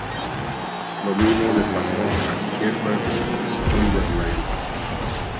Lo mismo le pasó a Kiefer Sutherland.